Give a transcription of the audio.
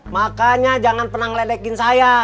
makanya jangan pernah ngeledekin saya